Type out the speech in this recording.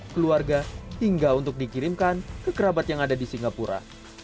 keluarga hingga untuk dikirimkan ke kerabat yang ada di singapura